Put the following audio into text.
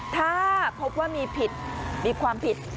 ถ้าพบว่ามีผิดมีความผิด